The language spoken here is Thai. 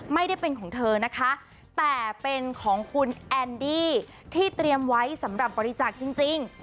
ไม่ได้เป็นของเธอนะคะแต่เป็นของคุณแอนดี้ที่เตรียมไว้สำหรับบริจาคจริง